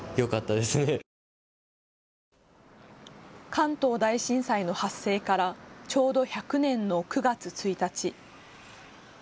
関東大震災の発生からちょうど１００年の９月１日。